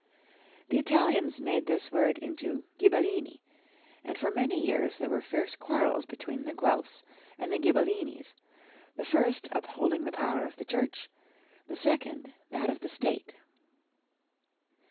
The Italians made this word into Ghibellini; and for many years there were fierce quarrels between the 118 Young Folks^ Histort/ of Q ermany. Guelfs and Ghibellines, the first upholding the power of the Church, the second that of the State.